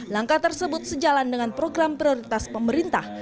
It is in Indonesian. langkah tersebut sejalan dengan program prioritas pemerintah